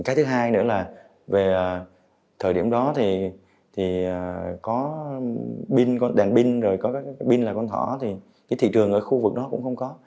cái thứ hai nữa là về thời điểm đó thì có đèn pin có pin là con thỏ thì thị trường ở khu vực đó cũng không có